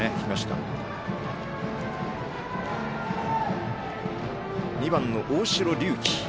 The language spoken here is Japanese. バッターは２番の大城龍紀。